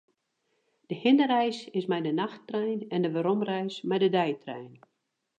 De hinnereis is mei de nachttrein en de weromreis mei de deitrein.